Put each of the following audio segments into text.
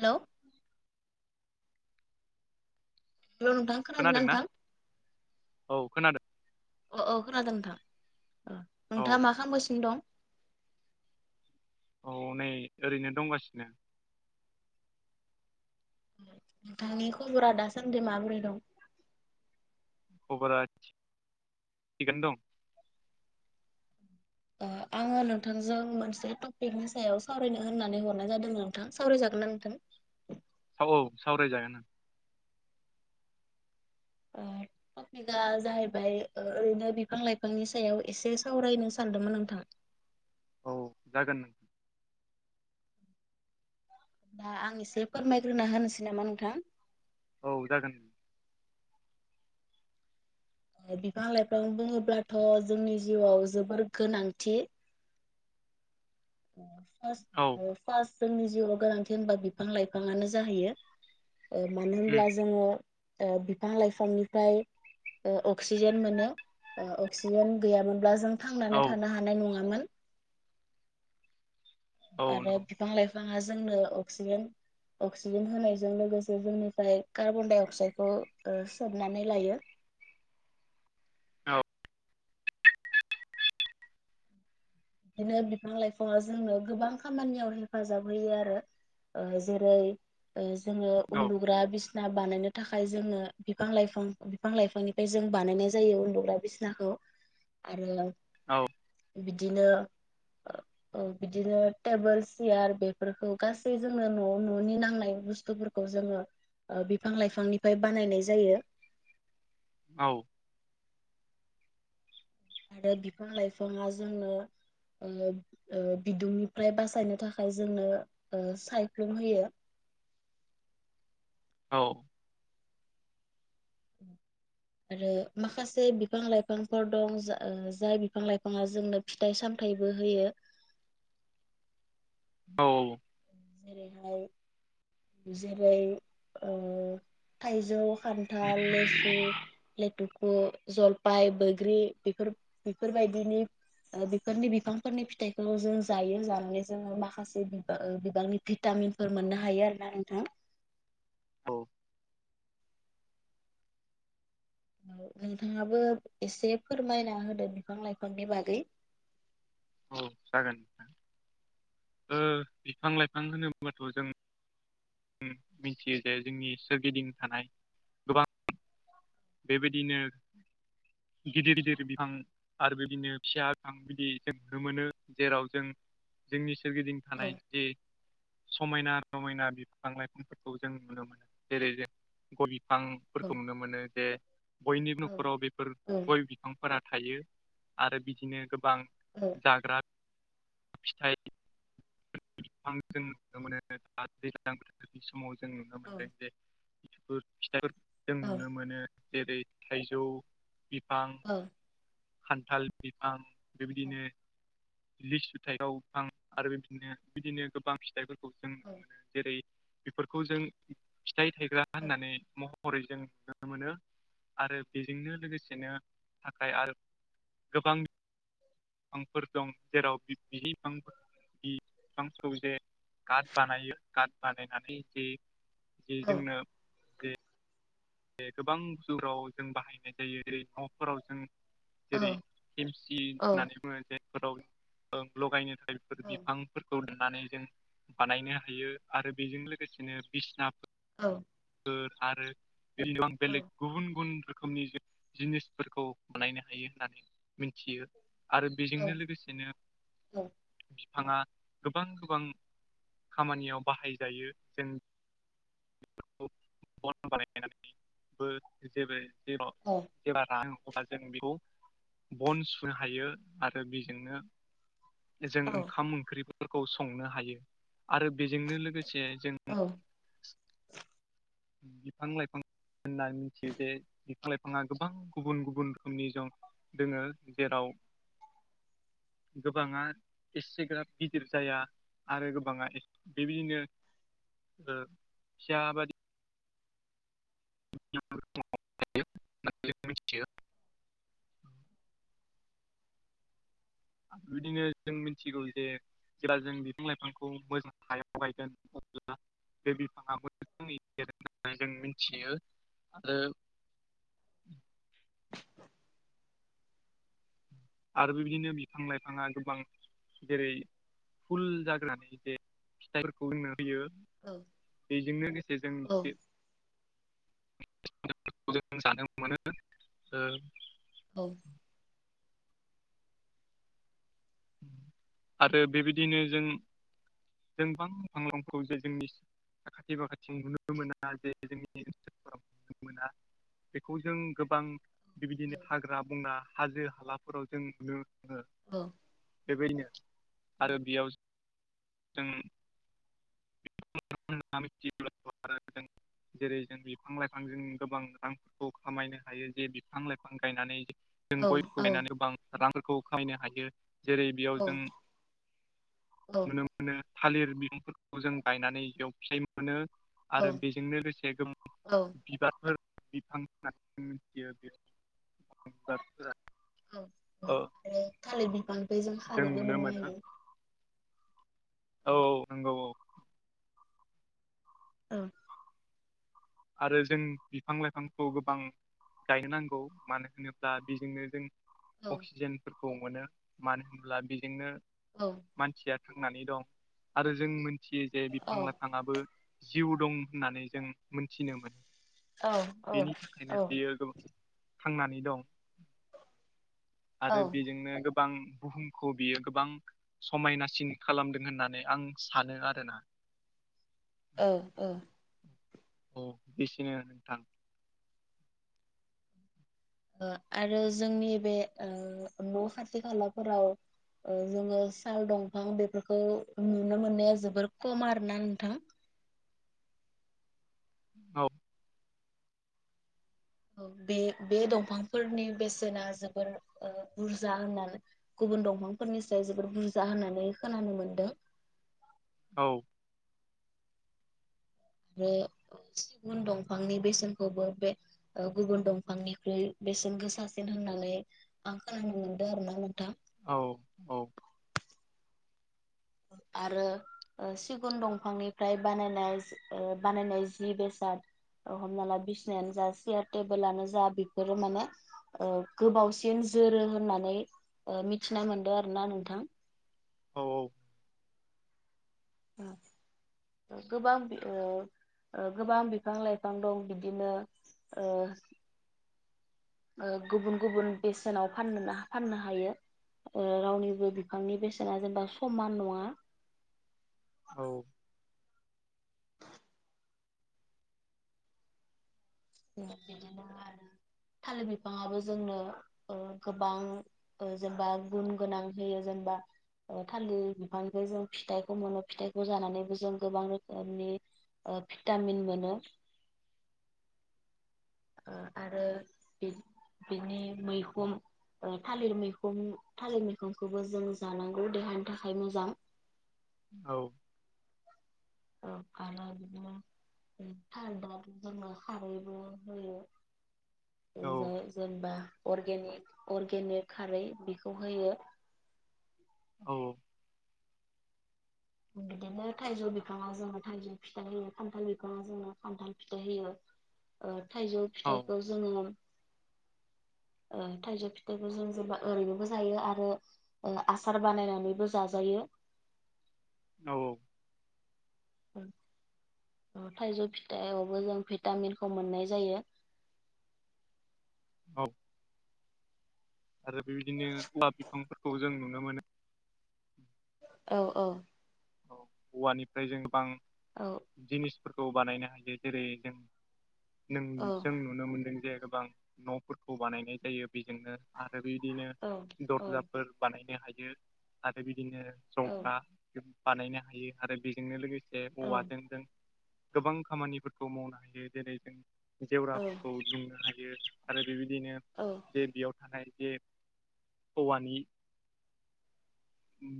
Hello hello नोंथां खोनादोंना खोनादों ना नोंथां औ खोनादों। अ औ खोनादों नोंथां। औ नोंथाङा मा खालामगासिनो दं? औ नै ओरैनो दंगासिनो। नोंथांनि खबरा दासान्दि माबोरै दं? खबरा थिगानो दं। आङो नोंथांजों मोनसे टपिकनि सायाव सावरायनो होननानै हरनाय जादों नोंथां सावरायजागोननाा नोंथां? औ सावरायजागोन आं। आरो [unintelligible] टपिकआ जाहैबाय ओरैनो बिफां लाइफांनि सायाव एसे सावरायनो सानदोंमोन नोंथां? औ जागोन नोंथां। दा आं एसे फोरमायग्रोना होनोसै नामा नोंथां? औ जागोन। बिफां लाइफां बुङोब्लाथ' जोंनि जिउआव जोबोर गोनांथि औ फासत ओ फार्स्ट जोंनि जिउाव गोनांथि होनबा बिफां लाइफाङानो जाहैयो। ओ मानो उम होनब्ला जोङो ओ बिफां लाइफांनिफ्राय ओ अक्सिजेन मोनो ओ अक्सिजेन गैयामोनब्ला जों औ थांनानै थानो हानाय नङामोन। औ आरो नंगौ बिफां लाइफाङा जोंनो अक्सिजेन अक्सिजेन होनायजों लोगोसे जोंनिफ्राय कार्बन डाइ अक्साइदखौ ओ सोबनानै लायो। औ। बिदिनो बिफां लाइफाङा जोंनो गोबां खामानियाव हेफाजाब होयो आरो। ओ जेरै जोङो उन्दुग्रा बिस बिसिना बानायनो थाखाय जोङो बिफां लाइफां बिफां लाइफांनिफ्राय जों बानायनाय जायो। उन्दुग्रा बिसनाखौ आरो औ बिदिनो औ बिदिनो टेबोल सियार बेफोरखौ गासै जोंनो न'आव न'नि नांनाय बुस्थुफोरखौ खौ जोङो बिफां ओ लाइफांनिफ्राय बानायनाय जायो। औ आरो बिफां लाइफाङा जोंझे ओओ बिदुंनिफ्राय बासायनो थाखाय जोंनो ओ सायख्लुम होयो। औ उम [inaudible] आरो माखासे बिफां लाइफांफोर दं जाय बिफां लाइफाङा जोंनो फिथाइ- सामथायाइबो होयो। औ औ जेरैहाय जेरै ओ थाइजौ, खान्थाल, लेसु दुखु जलफाय बैग्रि बेफोर बेफोरबायदिनि बेफोरनि बिफांफोरनि फिथाइखौ जों जायो जानानै जोङो माखासे गोबांनि भिटामिनफोर मोननो हायो आरोना नोंथां। औ औ नोंथाङाबो एसे फोरमायना होदो बिफां लाइफांनि बागै। औ जागोन। नोंथां। ओ बिफां -लाइफां होनोबाथ' जों ओ मिथियो जे जोंनि सोरगिदिं थानाय गोबां बेबायदिनो गिदिर -गिदिर बिफां आरो बिदिनो फिसा बिफां बिदि जों नुनो मोनो। जेराव जों जोंनि सोरगिदिं औ थानाय जे समायना रमायना बे बिफां लाइफांफोरखौ जों नुनो मोनो जेरै जों गय औ बिफांफोरखौ नुनो मोनो जे [unintelligible] बयनिबो औ न'खराव बेफोर गय बिफांफोरा थायो। आरो बिदिनो गोबां औ जाग्रा फिथाइ बिफां नुनो मोनो आरो दैज्ल्लां बोथोरनि समाव [unintelligible] जों नुनो औ मोनदों जे फिथाइफोरखौ जों औ नुनो मोनो जेरै थाइजौ बिफां औ औ खान्थाल बिफां बेबायदिनो लिसु, थाइजौ आरो बिदिनो बिदिनो गोबां फिथाइ जों नुनो मोनो जेरै बेफोरखौ जों फिथाइ थायग्रा औ होननानै मह महरै जों नुनो मोनो आरो बेजोंनो लोगोसेनो थाखाय आरो गोबां बिफांफोर दं जेराव बि बिफांफोर बि बिफां सौजे [unintelligible] कार्ड बानायो कार्ड बानायनानै जे जे औ जोंनो बे गोबां जुराव जों बाहायनाय जायो ओरै न'फोराव जों जेरै खेमसि औ होननानै बुङो। जायफोराव लगायनो थाखायफोर बिफांफोर खौ लुनानै जों बानायनो हायो। आरो बेजों लोगोसेनो बिसना औ आरो बेलेग गुबुन -गुबुन रोखोमनि जों जिनिसफोरखौ बानायनो हायो होननानै मिथियो आरो बेजोंनो लोगोसेनो बिफाङा गोबां गोबां खामानियाव बाहाय जायो जों बन बानायनानैबो जेबो जेराव औ जेब्ला रायो अब्ला जों बेखौ बन सुनो हायो आरो बेजोंनो जों औ ओंखाम ओंख्रिफोरखौ संनो हायो आरो बेजोंनो लोगोसे जों औ बिफां लाइफां होनना मिथियो जे बिफां लाइफाङा गोबां गुबुन गुबुन रोखोमनि जों दोङो जेराव गोबाङा एसेग्राब गिदिर जाया आरो गोबाङा बेबायदिनो ओ फिसा बायदि [unintelligible] आरो बिबायदिनो जों मिथिगौ जे जेब्ला जों बिफां लाइफांखौ मोजां हायाव गायगोन अब्ला [unintelligible] आरो बेबायदिनो बिफां लाइफाङा गोबां जेरै [unintelligible] औ बेजों लोगोसे जों बे फिथाइफोरखौ जों जानो मोनो ओ औ आरो बेबायदिनो जों [unintelligible] साखाथि फाखाथि नुनो मोना जे जोंनि जायगाफोराव नुनो मोना बेखौ जों गोबां बेबायदिनो हाग्रा बंग्रा हाजो हालाफोराव जों नुनो मोनो। औ बेबायदिनो आरो बेयाव जों [unintelligible] जेरै जों बिफां लाइफांजों गोबां रांफोरखौ खामायनो हायो जे बिफां लाइफां गायनानै जों गयफोरखौ गायनानै गोबां रांफोरखौ खामायनो हायो जेरै बियाव जों नुनो मोनो थालिर बिफांफोरखौ खौ जों गायनानैबियाव फिथाइ मोनो आरो बेजोंनो लोगोसे जों बिबारफोर [unintelligible] औ औ आरो थालिर बिफांनिफ्राय जों खारैबो नुनो मोननो मोनो होयो। औ औ नंगौ। औ। आरो जों बिफां लाइफांखौ गोबां गायनो नांगौ मानो होनोब्ला बेजोंनो जों औ अक्सिजेनफोरखौ मोनो। मानो होनब्ला बेजोंनो औ। मानसिया थांनानै दं आरो जों मोनथियो जे औ बिफां लाइफांआबो जिउ दं होननानै जों मोनथिनो मोनो औ बेनि थाखायनो बियो गोबां थांनानै दं। औ आरो बेजोंनो गोब बां बुहुमखौ बियो गोबां समायनासिन खालामदों होननानै आं सानो आरोना। ओ ओ औ बेसेनो नोंथां। ओ आरो जोंनि बे ओ न' खाथि खालाफोराव ओ जोङो साल दंफां बेफोरखौ नुनो मोननाया जोबोर खम आरोना नोंथां। [unintelligible] बे बे दंफांफोरनि बेसेना जोबोर ओ बुरजा होननानै गुबुन दंफांफोरनिसाय जोबोद बुरजा होननानै खोनानो मोन्दों। औ। आरो सिगुन दंफांनि बेसेनखौबो बे गुबुन दंफांनिख्रुइ बेसेन गोसासिन होननानै आं खोनानो मोनदों आरोना नोंथां। औ औ। आरो ओ सिगुन दंफांनिफ्राय बानायनाय ओ बानायनाय जि बेसाद हमना ला बिसनायानो जा सियार टेबोलानो जा बेफोरो माने गोबावसिन जोरो होननानै मिथिनाय मोनदों आरोना नोंथां। औ औ। औ। गोबां ओ ओ गोबां बिफां लाइफां दं। बिदिनो ओ ओ गुबुन गुबुन बेसेनाव फान-फाननो हायो। रावनिबो बिफांनि बेसेना जेनेबा समान नङा। औ। बिदिनो आरो थालिर बिफांआबो ओ जोंनो गोबां जेनेबा गुन गोनां होयो जेनबा थालिर बिफांनिफ्राय जों फिथाइखौ मोनो फिथाइखौ जानानैबो जों गोबां रोखोमनि भिटामिन मोनो। ओ आरो बिनि मैखुन ओ थालिर मैखुं थालिर मैखुंखौबो जों जानांगौ देहानि थाखाय मोजां। औ। औ आरो थारदो जोंनो खारैबो होयो। ओ जेनेबा अरगेनि-अरगेनिक खारै बेखौ होयो। औ। बिदिनो बिनो थाइजौ बिफाङा जोङो थाइजौ फिथाइ होयो, खान्थाल बिफाङा जोङो खान्थाल फिथाइ होयो। ओ थाइजौ औ फिथाइखौ जोङो ओ थाइजौ फिथाइखौ जों जेनेबा ओरैनोबो जायो आरो ओ आसार बानायनानैबो जाजायो। औ। थाइजौ फिथाइआवबो जों भिटामिनखौ मोननाय जायो। [unintelligible] आरो बेबायदिनो लावब बिफांफोरखौ जों नुनो मोनो। औ औ। औ औवानिफ्राय जों गोबां औ जिनिस फोरखौ बानायनो हायो जेरै जों नों औ जों नुनो मोनदों जे गोबां न'फोरखौ बानायनाय जायो बेजोंनो आरो बेदिनो औ। औ दरजाफोर बानायनो हायो आरो बिदिनो औ जंग्रा बानायनो हायो आरो बेजोंनो लोगोसे औ औवाजों जों गोबां खामानिफोरखौ मावनो हायो जेरै जों औ जेवराफोरखौ दुमनो हायो। आरो बेबायदिनो जे बेयाव थानाय जे हौवानि [inaudible] उम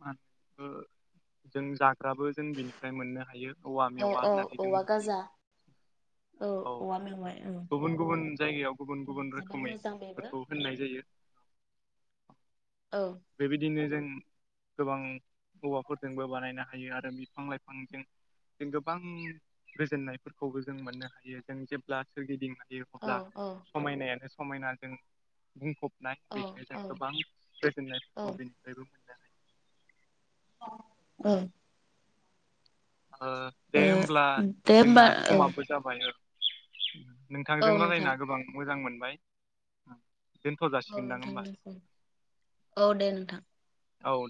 मान जों जाग्राबो जों बिनिफ्राय मोननो हायो। औवा औ मेवा औ होननानै जों औवा मिथियो। गाजा औ। औवा मेवाइ औ गुबुन गुबुन जायगायाव गुबुन गुबुन जोबोर रोखोमै मोजां बेबो बेफोरखौ होननाय जायो। औ। बेबायदिनो जों गोबां हवाफोरजोंबो बानायनो हायो आरो बिफां लाइफांजों जों गोबां गोजोननायफोरखौबो जों मोननो हायो। जों जेब्ला सोरगिदिं ह औ अब्ला औ समायनायानो समायना जों बुंफबनाय औ बिदिनो जों औ गोबां औ [unintelligible] औ। ओ दे होमब्ला दे होमबा जोंना औ समाबो जाबाय औ। औ नोंथांजों नोंथां रायलायना गोबां मोजां मोनबाय। दोनथ' औ जासिगोनदां होमबा नोंथां। औ दे नोंथां। औ।